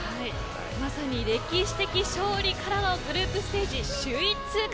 まさに歴史的勝利からのグループステージ首位通過。